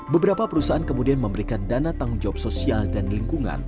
beberapa perusahaan kemudian memberikan dana tanggung jawab sosial dan lingkungan